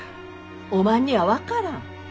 おまんには分からん。